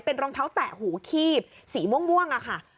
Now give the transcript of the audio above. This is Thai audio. เป็นรองเท้าแตะหูคีบสีม่วงค่ะ